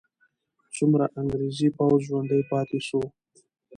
څومره انګریزي پوځ ژوندی پاتې سو؟